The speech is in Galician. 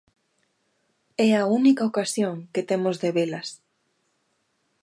É a única ocasión que temos de velas.